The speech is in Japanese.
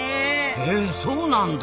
へえそうなんだ。